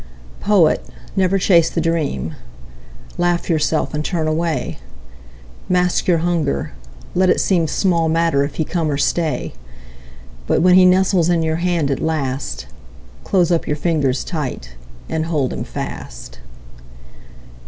Poet, never chase the dream. Laugh yourself and turn away. Mask your hunger; let it seem Small matter if he come or stay; But when he nestles in your hand at last, Close up your fingers tight and hold him fast.